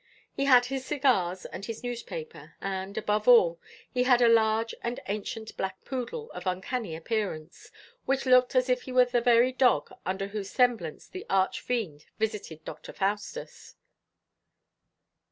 He had his cigars and his newspaper, and, above all, he had a large and ancient black poodle of uncanny appearance, which looked as if he were the very dog under whose semblance the arch fiend visited Dr. Faustus.